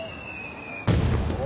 お！